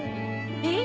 えっ！？